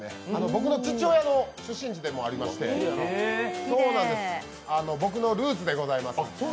僕の父親の出身地でもありまして、僕のルーツでございます。